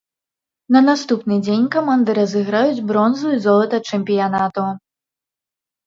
На наступны дзень каманды разыграюць бронзу і золата чэмпіянату.